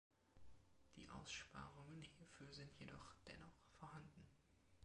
Die Aussparungen hierfür sind jedoch dennoch vorhanden.